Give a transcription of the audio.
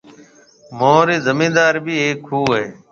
مهوريَ زميندار ڀِي هيڪ کُوه هيَ۔